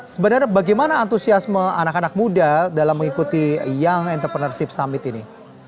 sebenarnya bagaimana antusiasme anak anak muda dalam mengikuti young entrepreneurship summit ini